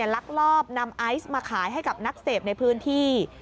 ลักลอบนำไอซ์มาขายให้กับนักเสพในพื้นที่